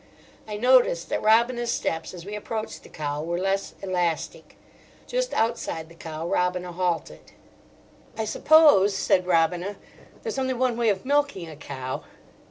I noticed that Robina's steps as we approached the cow were less elastic. Just outside the cow Robina halted. "I suppose," said Robina, "there's only one way of milking a cow?"